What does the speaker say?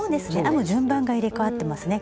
編む順番が入れかわってますね。